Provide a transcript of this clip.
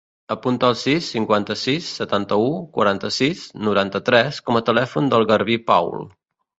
Apunta el sis, cinquanta-sis, setanta-u, quaranta-sis, noranta-tres com a telèfon del Garbí Paul.